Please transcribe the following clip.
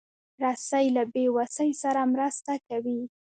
رسۍ له بېوسۍ سره مرسته کوي.